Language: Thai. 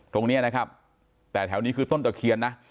ตรงนี้นะครับแต่แถวนี้คือต้นตะเคียนนะ